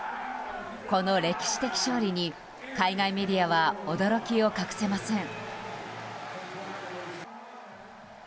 この歴史的勝利に海外メディアは驚きを隠せません。